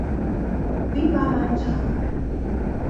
Wie war dein Tag?